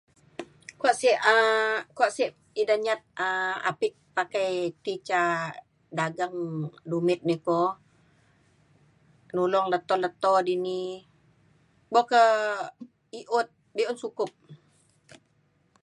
kuak sek um kuak sek ida nyat apit pakai ti ca dageng dumit di ko nulong leto leto dini. buk ke i'ut be'un sukup.